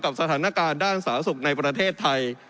สถานการณ์ด้านสาธารณสุขในประเทศไทย